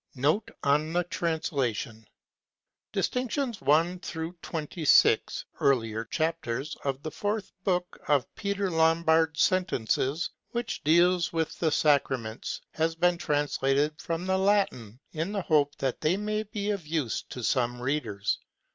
NOTE ON THE TRANSLATION Distinctions I XXVI (earlier chapters) of the Fourth Book of Peter Lombard's "Sentences," which deal with the Sacra ments, have been translated from the Latin, in the hope that they may be of use to some readers.